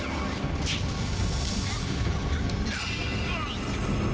lihat bapak kamu di sini